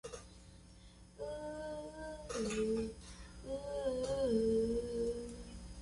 Es un centro importante de servicios, agrícola y artesanal.